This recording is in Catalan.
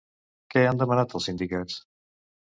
Què han demanat els sindicats?